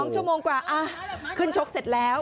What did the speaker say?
๒ชั่วโมงกว่าขึ้นชกเสร็จแล้ว